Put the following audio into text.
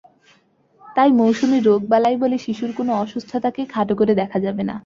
তাই মৌসুমি রোগ-বালাই বলে শিশুর কোনো অসুস্থতাকেই খাটো করে দেখা যাবে না।